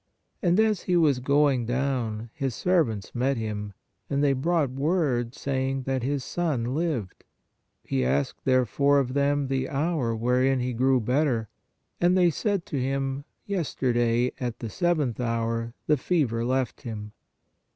And as he was going down, his servants met him; and they brought word, say ing that his son lived. He asked therefore of them the hour wherein he grew better. And they said to him : Yesterday at the seventh hour the fever left him.